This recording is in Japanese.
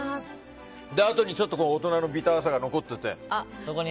あとにちょっと大人のビターさが残っていて。